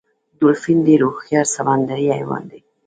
ډولفین ډیر هوښیار سمندری حیوان دی